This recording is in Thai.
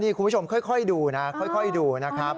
คุณผู้ชมค่อยดูนะค่อยดูนะครับ